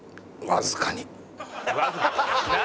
「わずかに」。